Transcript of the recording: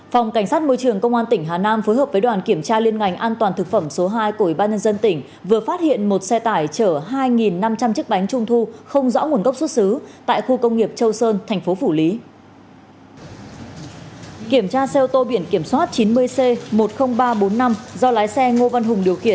phòng cảnh sát môi trường công an tỉnh hà nam phối hợp với đoàn kiểm tra liên ngành an toàn thực phẩm số hai của ủy ban nhân dân tỉnh vừa phát hiện một xe tải chở hai năm trăm linh chiếc bánh trung thu không rõ nguồn gốc xuất xứ tại khu công nghiệp châu sơn thành phố phủ lý